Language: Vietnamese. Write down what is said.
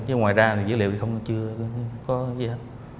chứ ngoài ra dữ liệu thì chưa có gì hết